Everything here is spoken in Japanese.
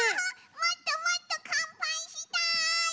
もっともっとかんぱいしたい！